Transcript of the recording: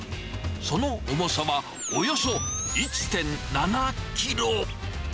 その重さはおよそ１．７キロ。